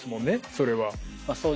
それは。